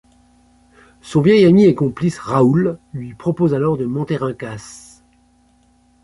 Son vieil ami et complice, Raoul, lui propose alors de monter un casse.